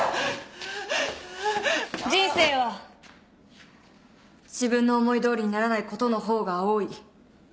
人生は自分の思いどおりにならないことの方が多い。